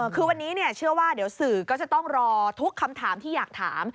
คือวันนี้เชื่อว่าเดี๋ยวสื่อก็จะต้องรอทุกคำถามที่อยากถาม